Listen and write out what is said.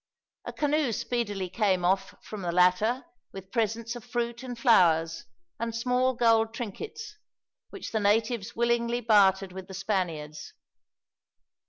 A canoe speedily came off from the latter, with presents of fruit and flowers, and small gold trinkets, which the natives willingly bartered with the Spaniards.